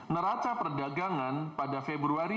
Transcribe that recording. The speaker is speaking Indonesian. neraca perdagangan pada februari dua ribu enam belas